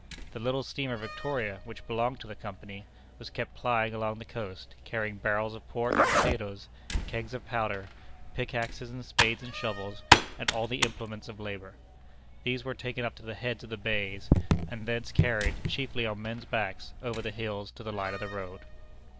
The little steamer Victoria, which belonged to the Company, was kept plying along the coast, carrying barrels of pork and potatoes, kegs of powder, pickaxes and spades and shovels, and all the implements of labor. These were taken up to the heads of the bays, and thence carried, chiefly on men's backs, over the hills to the line of the road.